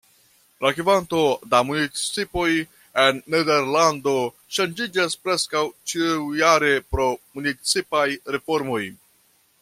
La kvanto da municipoj en Nederlando ŝanĝiĝas preskaŭ ĉiujare pro municipaj reformoj.